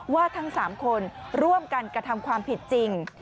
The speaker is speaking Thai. ทั้ง๓คนร่วมกันกระทำความผิดจริง